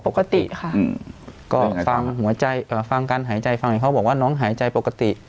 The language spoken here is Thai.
ปกติค่ะก็ฟังหัวใจเอ่อฟังการหายใจฟังเห็นเขาบอกว่าน้องหายใจปกติ